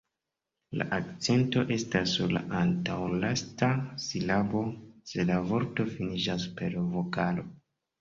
La akcento estas sur la antaŭlasta silabo, se la vorto finiĝas per vokalo.